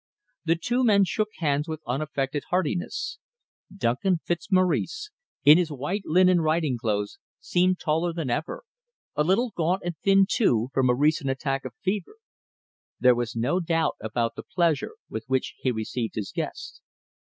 The two men shook hands with unaffected heartiness. Duncan Fitzmaurice, in his white linen riding clothes, seemed taller than ever, a little gaunt and thin, too, from a recent attack of fever. There was no doubt about the pleasure with which he received his guest.